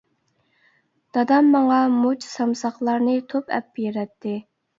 دادام ماڭا مۇچ، سامساقلارنى توپ ئەپ بېرەتتى.